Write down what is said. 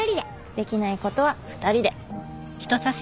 できないことは二人で。